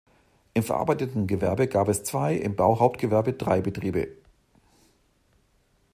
Im verarbeitenden Gewerbe gab es zwei, im Bauhauptgewerbe drei Betriebe.